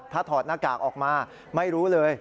ถ้าถอดหน้ากากออกมาไม่รู้เลย